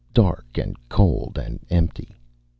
Dark and cold and empty.